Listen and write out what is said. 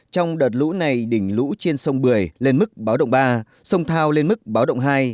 trong đợt lũ này đỉnh lũ trên sông bưởi lên mức báo động ba sông thao lên mức báo động hai